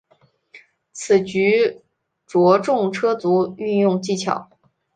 此局着重车卒运用技巧。